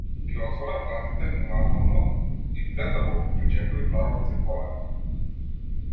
Ги отвора вратите внимателно и, пред да го пречекори прагот, се колеба.